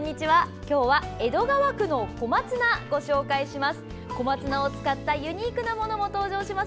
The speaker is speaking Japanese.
今日は江戸川区の小松菜ご紹介します。